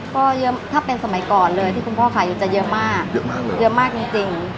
ก็เยอะถ้าเป็นสมัยก่อนเลยที่คุณพ่อขายอยู่จะเยอะมากเยอะมากเลยเยอะมากเยอะมากจริง